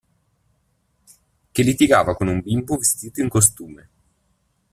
Che litigava con un bimbo vestito in costume.